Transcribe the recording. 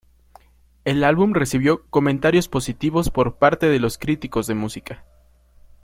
El álbum recibió comentarios positivos por parte de los críticos de música.